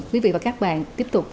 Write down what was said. quý vị và các bạn tiếp tục